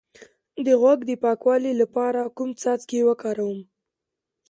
د غوږ د پاکوالي لپاره کوم څاڅکي وکاروم؟